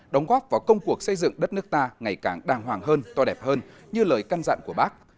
đóng góp vào công cuộc xây dựng đất nước ta ngày càng đàng hoàng hơn to đẹp hơn như lời căn dặn của bác